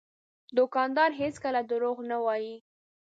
دوکاندار هېڅکله دروغ نه وایي.